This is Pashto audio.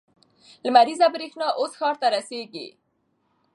لمریزه برېښنا اوس ښار ته رسیږي.